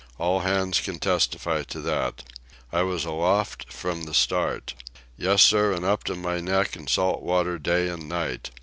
All hands can testify to that. I was aloft from the start. Yes, sir, and up to my neck in salt water day and night.